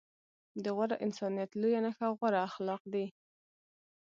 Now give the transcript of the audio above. د غوره انسانيت لويه نښه غوره اخلاق دي.